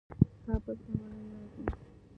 کابل ته ولي نه راځې؟